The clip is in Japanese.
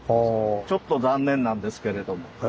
ちょっと残念なんですけれども。